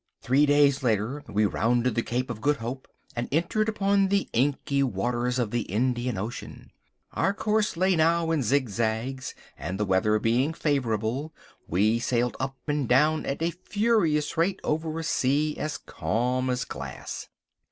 Three days later we rounded the Cape of Good Hope and entered upon the inky waters of the Indian Ocean. Our course lay now in zigzags and, the weather being favourable, we sailed up and down at a furious rate over a sea as calm as glass.